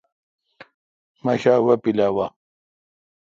مہ شا وہ پلاوہ۔